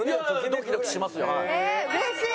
ドキドキしますよはい。